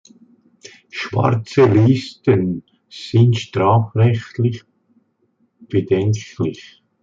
Schwarze Listen sind strafrechtlich bedenklich.